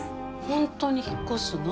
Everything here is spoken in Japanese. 本当に引っ越すの？